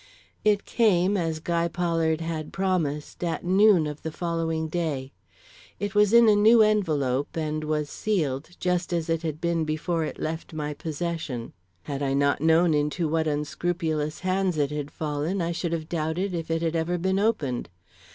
It came, as Guy Pollard had promised, at noon of the following day. It was in a new envelope, and was sealed just as it had been before it left my possession. Had I not known into what unscrupulous hands it had fallen, I should have doubted if it had ever been opened.